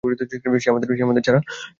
সে আমাদের ছাড়া করবে কি?